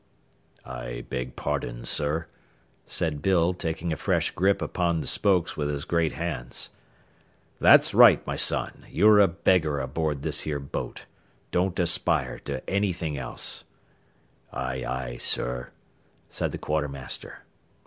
"I beg pardon, sir," said Bill, taking a fresh grip upon the spokes with his great hands. "That's right, my son; you're a beggar aboard this here boat. Don't aspire to anything else." "Aye, aye, sir," said the quartermaster.